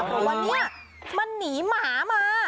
เพราะว่าเนี่ยมันหนีหมามา